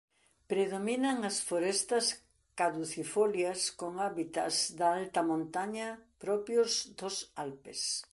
Predominan as forestas caducifolias con hábitats da alta montaña propios dos Alpes.